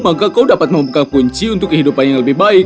maka kau dapat membuka kunci untuk kehidupan yang lebih baik